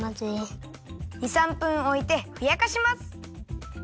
２３分おいてふやかします。